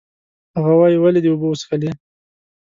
هغه وایي، ولې دې اوبه وڅښلې؟